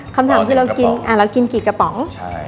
คำถามคือเรากินเรากินกี่กระป๋อง